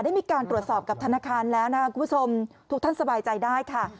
ได้มีการตรวจสอบกับธนาคารแล้วนะคุณผู้ชมทุกท่านสบายใจได้ค่ะ